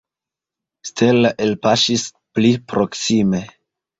Stella elpaŝis pli proksime.